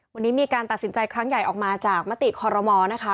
วันนี้มีการตัดสินใจครั้งใหญ่ออกมาจากมติคอรมอลนะคะ